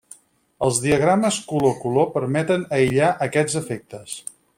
Els diagrames color–color permeten aïllar aquests efectes.